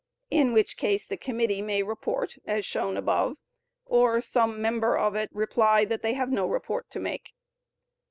In which case the committee may report, as shown above, or some member of it reply that they have no report to make.